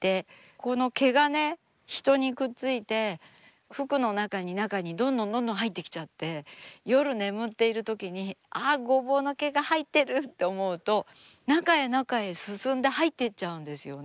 この毛がね人にくっついて服の中に中にどんどんどんどん入ってきちゃって夜眠っているときにあっごぼうの毛が入ってるって思うと中へ中へ進んで入っていっちゃうんですよね。